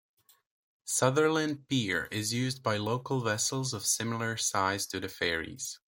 Sutherland Pier is used by local vessels of similar size to the ferries.